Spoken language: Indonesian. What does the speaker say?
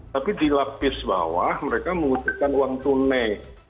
tapi di lapis bawah mereka mengujikan uang tunai